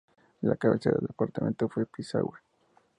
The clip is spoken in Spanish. La cabecera del departamento fue Pisagua.